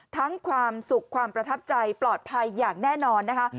ความสุขความประทับใจปลอดภัยอย่างแน่นอนนะคะ